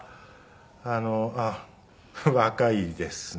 あっ若いですね。